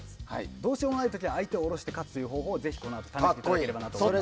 どうしようもない時は相手を降ろして勝つという方法をぜひこのあと試していただければなと思います。